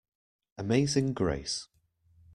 Amazing Grace.